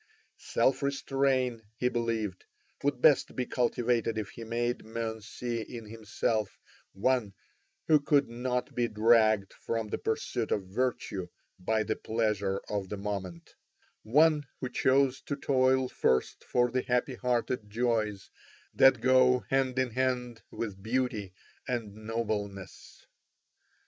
Self restrain, he believed, would best be cultivated if he made men see in himself one who could not be dragged from the pursuit of virtue by the pleasure of the moment, one who chose to toil first for the happy hearted joys that go hand in hand with beauty and nobleness.